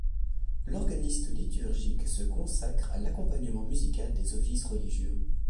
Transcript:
L'organiste liturgique se consacre à l'accompagnement musical des offices religieux.